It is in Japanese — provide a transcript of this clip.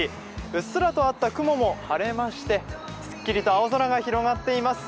うっすらとあった雲も晴れましてすっきりと青空が広がっています。